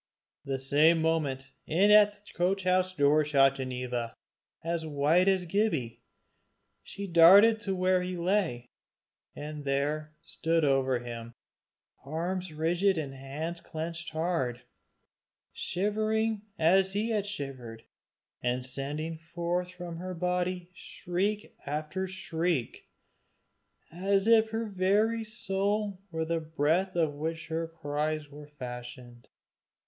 The same moment, in at the coach house door shot Ginevra, as white as Gibbie. She darted to where he lay, and there stood over him, arms rigid and hands clenched hard, shivering as he had shivered, and sending from her body shriek after shriek, as if her very soul were the breath of which her cries were fashioned.